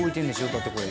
だってこれ」